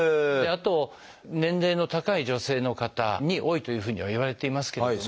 あと年齢の高い女性の方に多いというふうにはいわれていますけれども。